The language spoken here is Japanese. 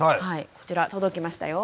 こちら届きましたよ。